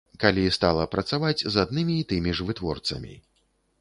Калі стала працаваць з аднымі і тымі ж вытворцамі.